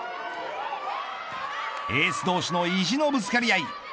エース同士の意地のぶつかり合い。